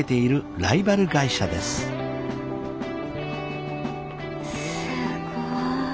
すごい。